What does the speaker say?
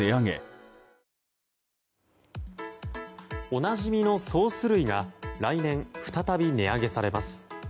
おなじみのソース類が来年再び値上げされます。